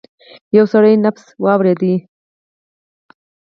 يو سړی نبض واورېد.